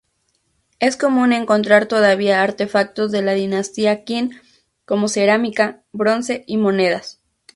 Es común encontrar todavía artefactos de la dinastía Qin, como cerámica, bronce y monedas.